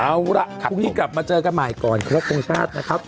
เอาล่ะพรุ่งนี้กลับมาเจอกันใหม่ก่อนครบทรงชาตินะครับ